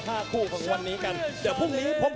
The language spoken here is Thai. กันต่อแพทย์จินดอร์